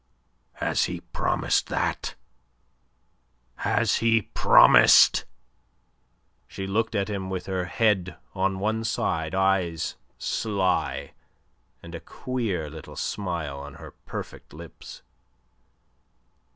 "Has he promised that? Has he promised?" She looked at him with her head on one side, eyes sly and a queer little smile on her perfect lips.